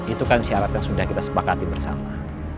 itu kan syarat yang sudah kita sepakati bersama